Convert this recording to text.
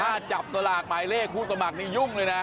ถ้าจับสลากหมายเลขผู้สมัครนี่ยุ่งเลยนะ